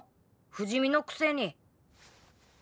不死身のくせに。